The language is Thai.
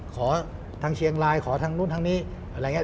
ขอทางเชียงรายขอทางนู้นทางนี้อะไรอย่างนี้